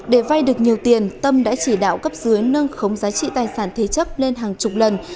để vay được nhiều tiền tâm đã chỉ đạo cấp dưới nâng khống giá trị tài sản thế chấp lên hàng chục lần